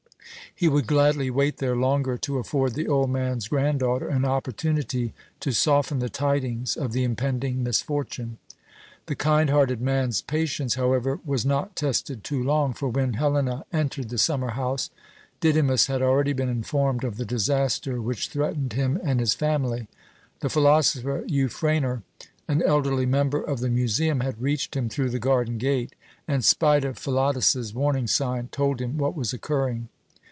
He would gladly wait there longer to afford the old man's granddaughter an opportunity to soften the tidings of the impending misfortune. The kind hearted man's patience, however, was not tested too long; for when Helena entered the summer house Didymus had already been informed of the disaster which threatened him and his family. The philosopher Euphranor, an elderly member of the Museum, had reached him through the garden gate, and, spite of Philotas's warning sign, told him what was occurring.